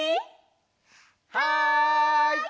はい！